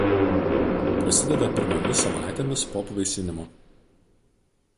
Prasideda pirmomis savaitėmis po apvaisinimo.